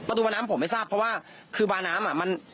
ประตูบาน้ำผมไม่ทราบเพราะว่าคือบาน้ำ